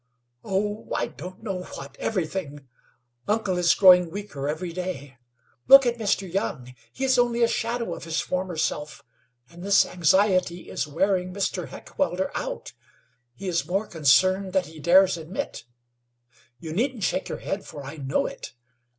"Oh, I don't know what everything. Uncle is growing weaker every day. Look at Mr. Young; he is only a shadow of his former self, and this anxiety is wearing Mr. Heckewelder out. He is more concerned than he dares admit. You needn't shake your head, for I know it.